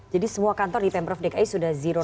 jadi semua kantor di pemprov dki sudah zero run off